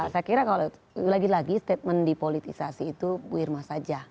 saya kira kalau lagi lagi statement dipolitisasi itu bu irma saja